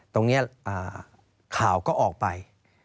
ตรงเนี้ยข่าวก็ออกไป